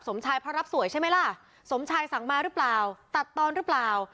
สมชายเพราะรับสวยใช่ไหมล่ะสมชายสั่งมาหรือเปล่าตัดตอนหรือเปล่า